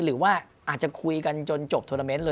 หรือว่าอาจจะคุยกันจนจบทวรรมเม้นต์